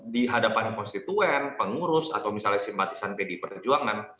di hadapan konstituen pengurus atau misalnya simpatisan pdi perjuangan